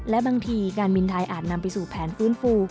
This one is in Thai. และบางทีการบินไทยอาจนำไปสู่แผนฟื้นฟู